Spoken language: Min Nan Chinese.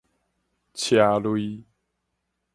斜 lui